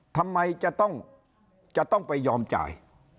ทำไมจะต้องไปยอมจ่าย